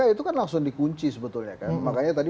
itu kan langsung dikunci sebetulnya